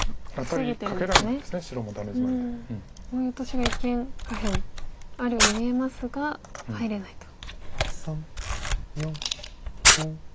オイオトシが一見下辺あるように見えますが入れないと。